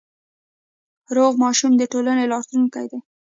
روغ ماشوم د ټولنې راتلونکی دی۔